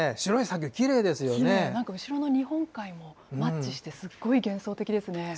きれい、なんか後ろの日本海もマッチして、すごい幻想的ですね。